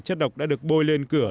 chất độc đã được bôi lên cửa